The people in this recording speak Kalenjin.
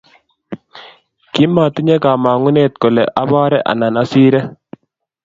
Kimatinye kamangunet kole abore anan asire